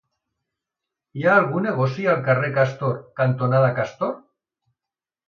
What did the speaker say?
Hi ha algun negoci al carrer Castor cantonada Castor?